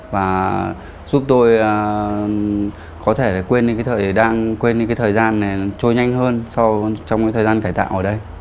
và giúp tôi có thể quên những thời gian trôi nhanh hơn trong thời gian cải tạo ở đây